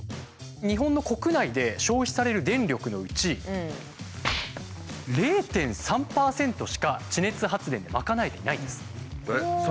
日本の国内で消費される電力のうち０．３％しか地熱発電でまかなえていないんです。